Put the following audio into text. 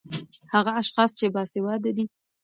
ـ هغه اشخاص چې باسېواده دي